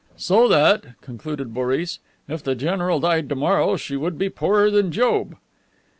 "So that," concluded Boris, "if the general died tomorrow she would be poorer than Job."